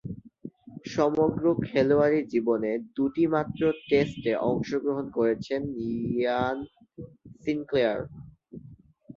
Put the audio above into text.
সমগ্র খেলোয়াড়ী জীবনে দুইটিমাত্র টেস্টে অংশগ্রহণ করেছেন ইয়ান সিনক্লেয়ার।